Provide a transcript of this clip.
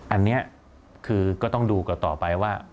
อันนี้คือก็ต้องดูกันต่อไปว่า